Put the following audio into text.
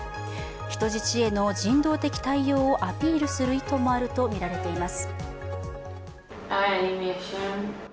人質への人道的対応をアピールする意図もあるとみられます。